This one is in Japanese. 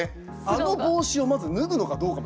あの帽子をまず脱ぐのかどうか。